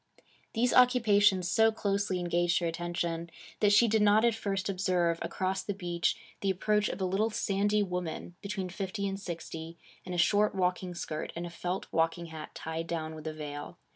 These occupations so closely engaged her attention that she did not at first observe, across the beach, the approach of a little sandy woman between fifty and sixty, in a short walking skirt and a felt walking hat tied down with a veil.